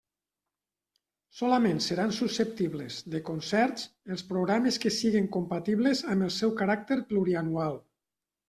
Solament seran susceptibles de concerts els programes que siguen compatibles amb el seu caràcter plurianual.